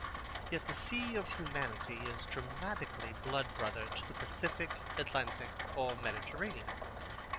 Yet the sea of humanity is dramatically blood brother to the Pacific, Atlantic, or Mediterranean.